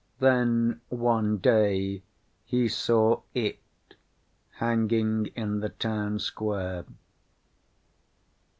Then one day he saw it hanging in the town square.